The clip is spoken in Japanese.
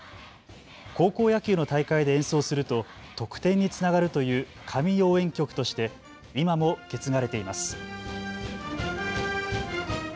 高校野球の大会で演奏すると得点につながるという神応援曲として今も受け継がれています。